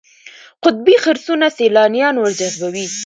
قطبي خرسونه سیلانیان ورجذبوي.